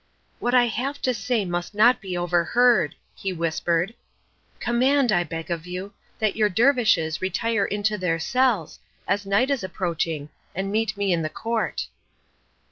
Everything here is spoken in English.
"What I have to say must not be overheard," he whispered; "command, I beg of you, that your dervishes retire into their cells, as night is approaching, and meet me in the court."